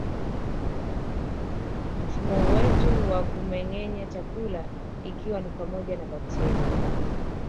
Mfumo wetu wa kumengenya chakula ikiwa ni pamoja na bakteria